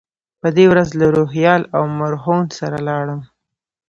په دې ورځ له روهیال او مرهون سره لاړم.